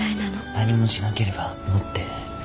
何もしなければ持って３か月。